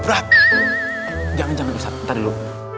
berat jangan jangan ustadz ntar dulu